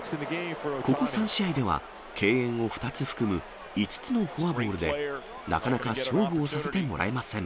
ここ３試合では、敬遠を２つ含む５つのフォアボールで、なかなか勝負をさせてもらえません。